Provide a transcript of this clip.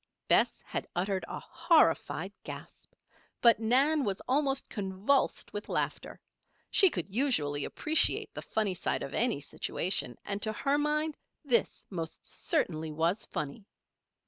Bess had uttered a horrified gasp; but Nan was almost convulsed with laughter. She could usually appreciate the funny side of any situation; and to her mind this most certainly was funny!